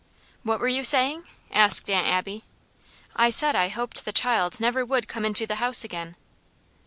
"What were you saying?" asked Aunt Abby. "I said I hoped the child never would come into the house again."